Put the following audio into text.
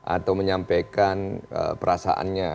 atau menyampaikan perasaannya